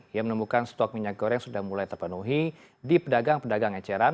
ia menemukan stok minyak goreng sudah mulai terpenuhi di pedagang pedagang eceran